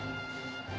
え？